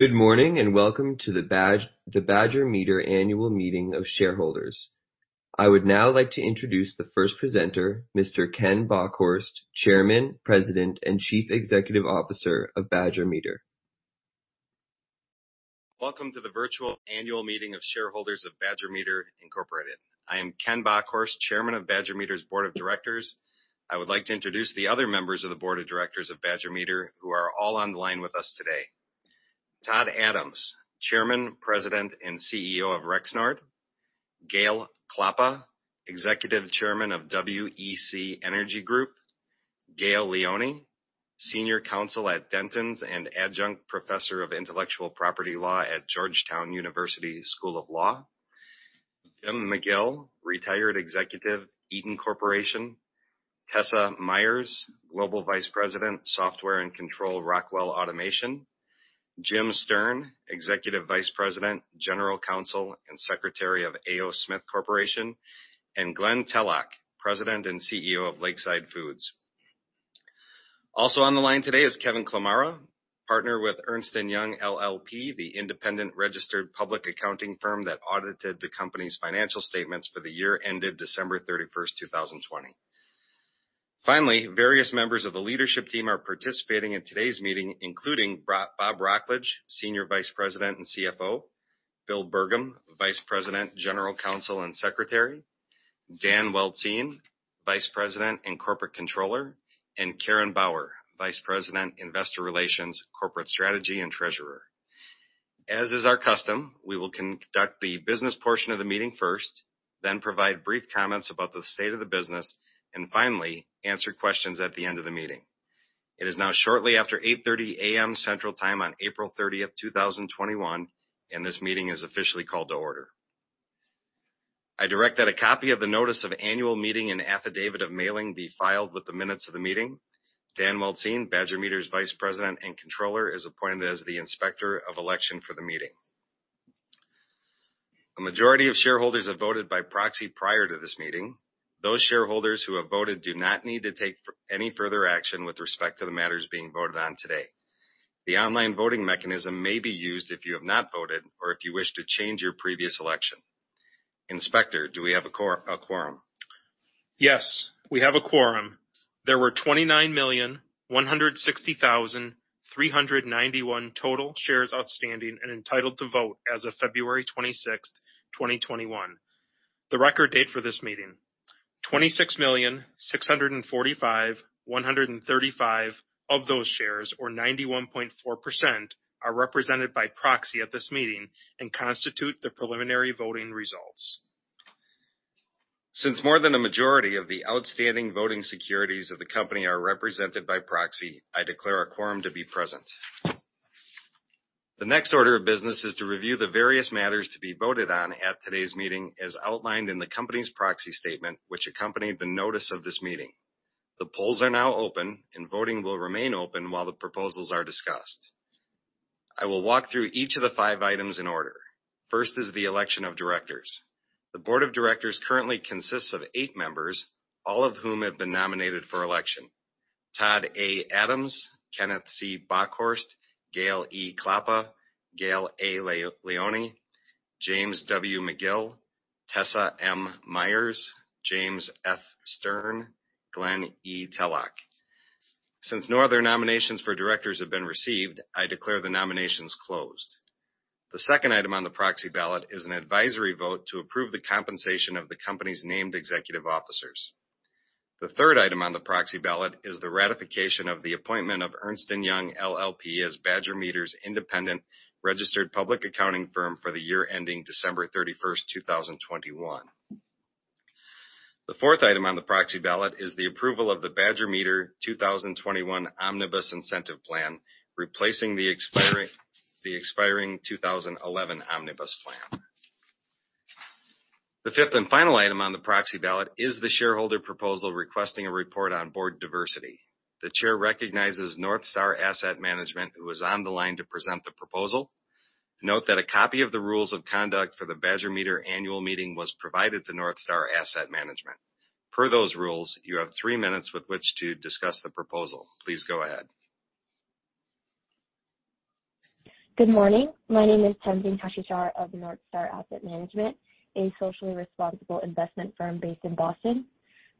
Good morning. Welcome to the Badger Meter Annual Meeting of Shareholders. I would now like to introduce the first presenter, Mr. Ken Bockhorst, Chairman, President, and Chief Executive Officer of Badger Meter. Welcome to the virtual annual meeting of shareholders of Badger Meter, Incorporated. I am Ken C. Bockhorst, Chairman of Badger Meter's Board of Directors. I would like to introduce the other members of the Board of Directors of Badger Meter, who are all online with us today. Todd A. Adams, Chairman, President, and CEO of Rexnord. Gale E. Klappa, Executive Chairman of WEC Energy Group. Gayle L. Leone, Senior Counsel at Dentons and Adjunct Professor of Intellectual Property Law at Georgetown University Law Center. James W. McGill, retired executive, Eaton Corporation plc. Tessa M. Myers, Global Vice President, Software and Control, Rockwell Automation, Inc. James F. Stern, Executive Vice President, General Counsel, and Secretary of A. O. Smith Corporation. Glen E. Tellock, President and CEO of Lakeside Foods, Inc. Also on the line today is Kevin Klimara, Partner with Ernst & Young LLP, the independent registered public accounting firm that audited the company's financial statements for the year ended December 31, 2020. Various members of the leadership team are participating in today's meeting, including Bob Wrocklage, Senior Vice President and CFO, Bill Bergum, Vice President, General Counsel, and Secretary, Dan Weltzien, Vice President and Corporate Controller, and Karen Bauer, Vice President, Investor Relations, Corporate Strategy, and Treasurer. As is our custom, we will conduct the business portion of the meeting first, then provide brief comments about the state of the business, and finally, answer questions at the end of the meeting. It is now shortly after 8:30 A.M. Central Time on April 30, 2021, and this meeting is officially called to order. I direct that a copy of the notice of annual meeting and affidavit of mailing be filed with the minutes of the meeting. Daniel R. Weltzien, Badger Meter's Vice President and Controller, is appointed as the Inspector of Election for the meeting. A majority of shareholders have voted by proxy prior to this meeting. Those shareholders who have voted do not need to take any further action with respect to the matters being voted on today. The online voting mechanism may be used if you have not voted or if you wish to change your previous election. Inspector, do we have a quorum? Yes, we have a quorum. There were 29,160,391 total shares outstanding and entitled to vote as of February 26, 2021, the record date for this meeting. 26,645,135 of those shares, or 91.4%, are represented by proxy at this meeting and constitute the preliminary voting results. Since more than a majority of the outstanding voting securities of the company are represented by proxy, I declare a quorum to be present. The next order of business is to review the various matters to be voted on at today's meeting, as outlined in the company's proxy statement, which accompanied the notice of this meeting. The polls are now open, and voting will remain open while the proposals are discussed. I will walk through each of the five items in order. First is the election of directors. The board of directors currently consists of eight members, all of whom have been nominated for election. Todd A. Adams, Kenneth C. Bockhorst, Gale E. Klappa, Gail A. Lione, James W. McGill, Tessa M. Myers, James F. Stern, Glen E. Tellock. Since no other nominations for directors have been received, I declare the nominations closed. The second item on the proxy ballot is an advisory vote to approve the compensation of the company's named executive officers. The third item on the proxy ballot is the ratification of the appointment of Ernst & Young LLP as Badger Meter's independent registered public accounting firm for the year ending December 31, 2021. The fourth item on the proxy ballot is the approval of the Badger Meter, Inc. 2021 Omnibus Incentive Plan, replacing the expiring 2011 Omnibus Plan. The fifth and final item on the proxy ballot is the shareholder proposal requesting a report on board diversity. The chair recognizes NorthStar Asset Management, who is on the line to present the proposal. Note that a copy of the rules of conduct for the Badger Meter Annual Meeting was provided to NorthStar Asset Management. Per those rules, you have three minutes with which to discuss the proposal. Please go ahead. Good morning. My name is Tenzing Tashishar of NorthStar Asset Management, a socially responsible investment firm based in Boston.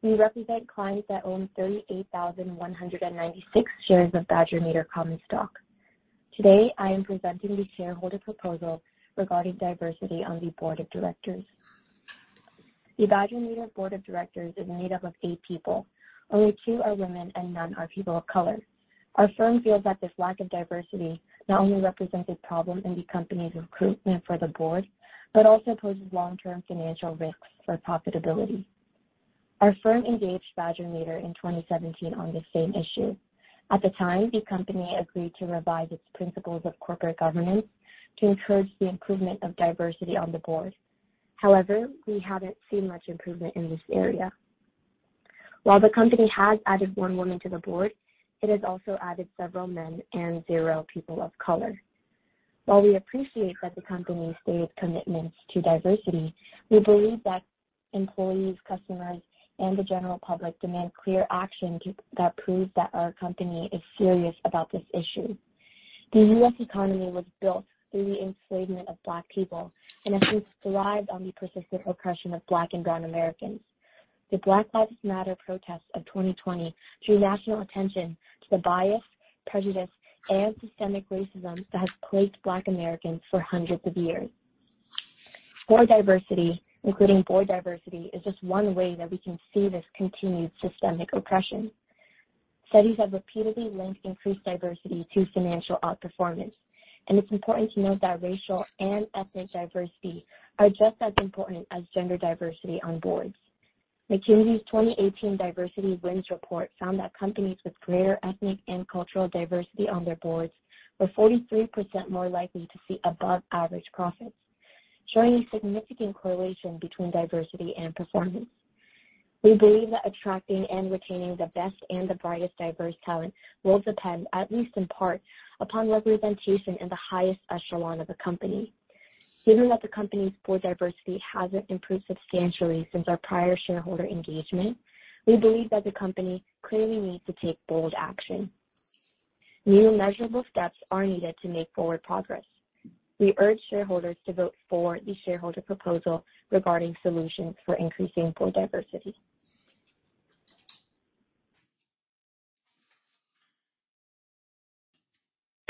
We represent clients that own 38,196 shares of Badger Meter common stock. Today, I am presenting the shareholder proposal regarding diversity on the board of directors. The Badger Meter board of directors is made up of eight people. Only two are women, and none are people of color. Our firm feels that this lack of diversity not only represents a problem in the company's recruitment for the board but also poses long-term financial risks for profitability. Our firm engaged Badger Meter in 2017 on the same issue. At the time, the company agreed to revise its principles of corporate governance to encourage the improvement of diversity on the board. However, we haven't seen much improvement in this area. While the company has added one woman to the board, it has also added several men and zero people of color. While we appreciate that the company stated commitments to diversity, we believe that employees, customers, and the general public demand clear action that proves that our company is serious about this issue. The U.S. economy was built through the enslavement of Black people and has since thrived on the persistent oppression of Black and Brown Americans. The Black Lives Matter protests of 2020 drew national attention to the bias, prejudice, and systemic racism that has plagued Black Americans for hundreds of years. Board diversity is just one way that we can see this continued systemic oppression. Studies have repeatedly linked increased diversity to financial outperformance, and it's important to note that racial and ethnic diversity are just as important as gender diversity on boards. McKinsey's 2018 Diversity Wins Report found that companies with greater ethnic and cultural diversity on their boards were 43% more likely to see above-average profits, showing a significant correlation between diversity and performance. We believe that attracting and retaining the best and the brightest diverse talent will depend, at least in part, upon representation in the highest echelon of the company. Given that the company's board diversity hasn't improved substantially since our prior shareholder engagement, we believe that the company clearly needs to take bold action. New measurable steps are needed to make forward progress. We urge shareholders to vote for the shareholder proposal regarding solutions for increasing board diversity.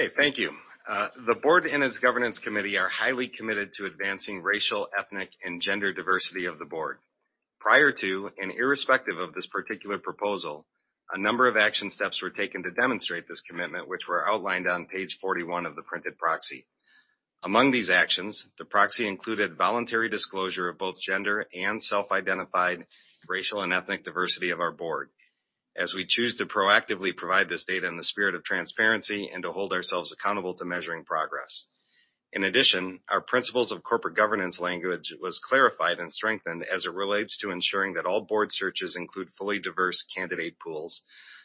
Okay. Thank you. The board and its governance committee are highly committed to advancing racial, ethnic, and gender diversity of the board. Prior to and irrespective of this particular proposal, a number of action steps were taken to demonstrate this commitment, which were outlined on page 41 of the printed proxy. Among these actions, the proxy included voluntary disclosure of both gender and self-identified racial and ethnic diversity of our board, as we choose to proactively provide this data in the spirit of transparency and to hold ourselves accountable to measuring progress. In addition, our principles of corporate governance language was clarified and strengthened as it relates to ensuring that all board searches include fully diverse candidate pools,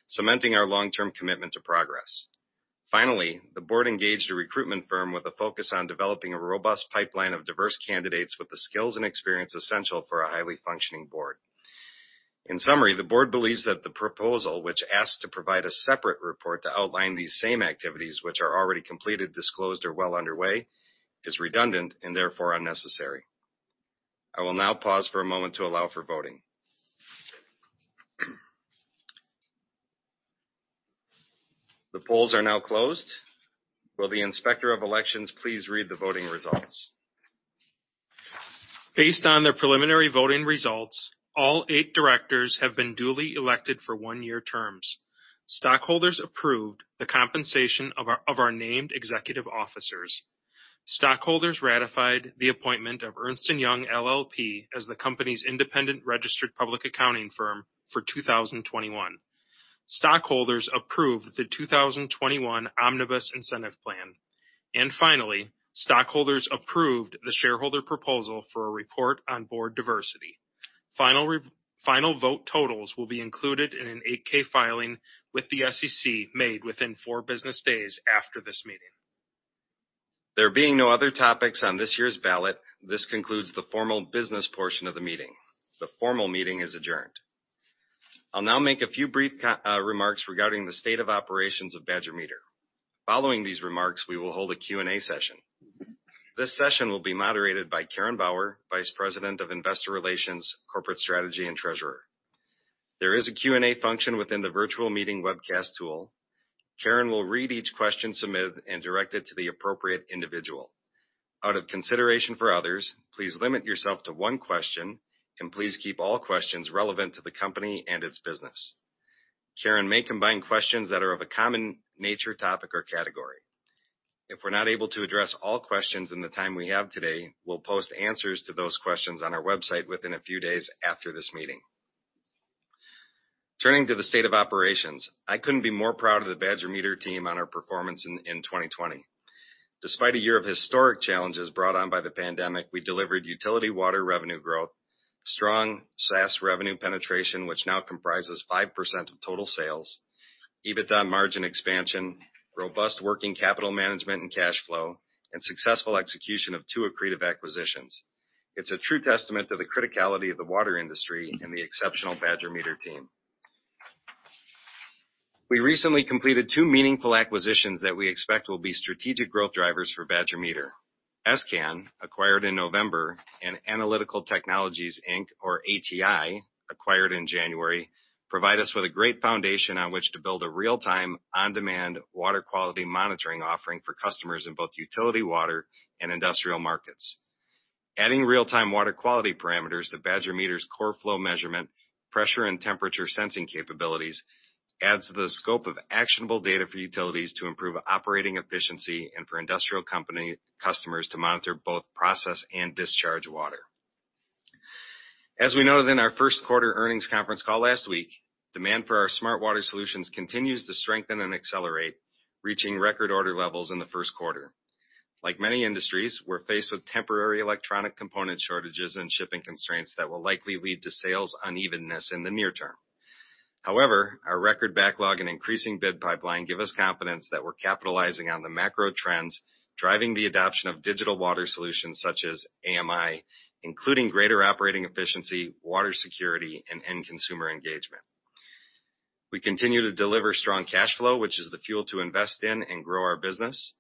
cementing our long-term commitment to progress. Finally, the board engaged a recruitment firm with a focus on developing a robust pipeline of diverse candidates with the skills and experience essential for a highly functioning board. In summary, the board believes that the proposal, which asks to provide a separate report to outline these same activities which are already completed, disclosed, or well underway, is redundant and therefore unnecessary. I will now pause for a moment to allow for voting. The polls are now closed. Will the Inspector of Elections please read the voting results? Based on the preliminary voting results, all eight directors have been duly elected for one-year terms. Stockholders approved the compensation of our named executive officers. Stockholders ratified the appointment of Ernst & Young LLP as the company's independent registered public accounting firm for 2021. Stockholders approved the 2021 Omnibus Incentive Plan. Finally, stockholders approved the shareholder proposal for a report on board diversity. Final vote totals will be included in an 8-K, filing with the SEC made within four business days after this meeting. There being no other topics on this year's ballot, this concludes the formal business portion of the meeting. The formal meeting is adjourned. I'll now make a few brief remarks regarding the state of operations of Badger Meter. Following these remarks, we will hold a Q&A session. This session will be moderated by Karen Bauer, Vice President of Investor Relations, Corporate Strategy, and Treasurer. There is a Q&A function within the virtual meeting webcast tool. Karen will read each question submitted and direct it to the appropriate individual. Out of consideration for others, please limit yourself to one question, and please keep all questions relevant to the company and its business. Karen may combine questions that are of a common nature, topic, or category. If we're not able to address all questions in the time we have today, we'll post answers to those questions on our website within a few days after this meeting. Turning to the state of operations, I couldn't be more proud of the Badger Meter team on our performance in 2020. Despite a year of historic challenges brought on by the pandemic, we delivered utility water revenue growth, strong SaaS revenue penetration, which now comprises 5% of total sales, EBITDA margin expansion, robust working capital management and cash flow, and successful execution of two accretive acquisitions. It's a true testament to the criticality of the water industry and the exceptional Badger Meter team. We recently completed two meaningful acquisitions that we expect will be strategic growth drivers for Badger Meter. s::can, acquired in November, and Analytical Technology, Inc., or ATI, acquired in January, provide us with a great foundation on which to build a real-time, on-demand water quality monitoring offering for customers in both utility water and industrial markets. Adding real-time water quality parameters to Badger Meter's core flow measurement, pressure, and temperature sensing capabilities adds to the scope of actionable data for utilities to improve operating efficiency and for industrial customers to monitor both process and discharge water. As we noted in our first quarter earnings conference call last week, demand for our smart water solutions continues to strengthen and accelerate, reaching record order levels in the first quarter. Like many industries, we're faced with temporary electronic component shortages and shipping constraints that will likely lead to sales unevenness in the near term. However, our record backlog and increasing bid pipeline give us confidence that we're capitalizing on the macro trends driving the adoption of digital water solutions such as AMI, including greater operating efficiency, water security, and end consumer engagement. We continue to deliver strong cash flow, which is the fuel to invest in and grow our business.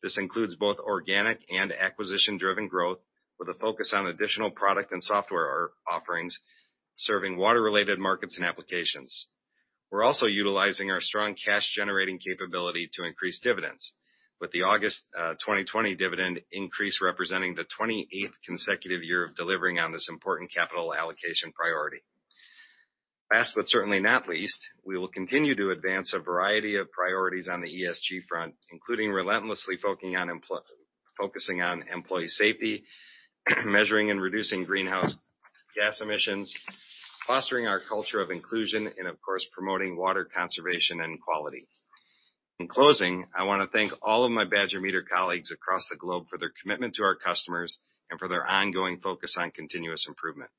This includes both organic and acquisition-driven growth with a focus on additional product and software offerings, serving water-related markets and applications. We're also utilizing our strong cash-generating capability to increase dividends. With the August 2020 dividend increase representing the 28th consecutive year of delivering on this important capital allocation priority. Last but certainly not least, we will continue to advance a variety of priorities on the ESG front, including relentlessly focusing on employee safety, measuring and reducing greenhouse gas emissions, fostering our culture of inclusion, and of course, promoting water conservation and quality. In closing, I want to thank all of my Badger Meter colleagues across the globe for their commitment to our customers and for their ongoing focus on continuous improvement.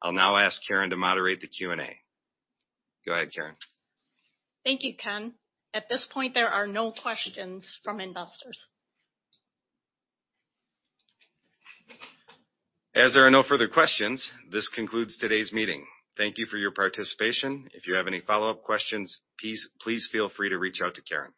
I'll now ask Karen to moderate the Q&A. Go ahead, Karen. Thank you, Ken. At this point, there are no questions from investors. As there are no further questions, this concludes today's meeting. Thank you for your participation. If you have any follow-up questions, please feel free to reach out to Karen.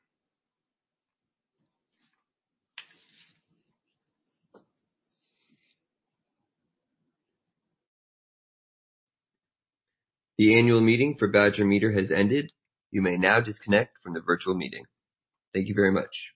The annual meeting for Badger Meter has ended. You may now disconnect from the virtual meeting. Thank you very much.